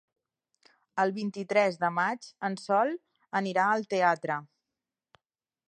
El vint-i-tres de maig en Sol anirà al teatre.